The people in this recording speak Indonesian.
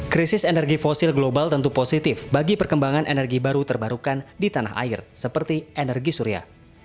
krisis energi fosil global tentu positif bagi perkembangan energi baru terbarukan di tanah air seperti energi surya